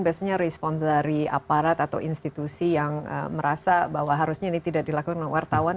biasanya respons dari aparat atau institusi yang merasa bahwa harusnya ini tidak dilakukan oleh wartawan